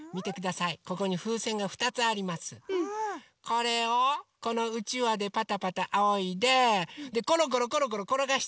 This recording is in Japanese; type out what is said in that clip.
これをこのうちわでパタパタあおいでころころころころころがしていくのね。